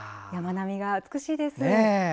山並みが美しいです。